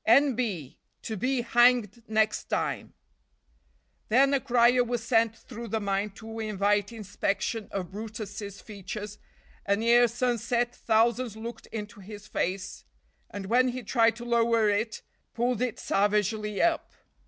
N B To be hanged next time. Then a crier was sent through the mine to invite inspection of brutus's features, and ere sunset thousands looked into his face, and when he tried to lower it pulled it savagely up.